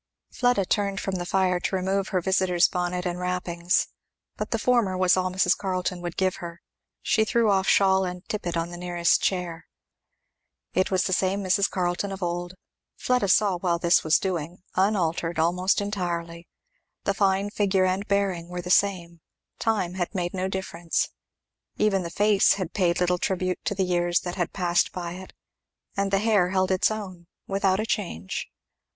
Fleda turned from the fire to remove her visitor's bonnet and wrappings, but the former was all Mrs. Carleton would give her; she threw off shawl and tippet on the nearest chair. It was the same Mrs. Carleton of old, Fleda saw while this was doing, unaltered almost entirely. The fine figure and bearing were the same; time had made no difference; even the face had paid little tribute to the years that had passed by it; and the hair held its own without a change.